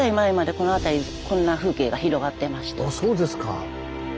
あっそうですか。